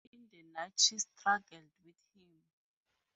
In the night she struggled with him.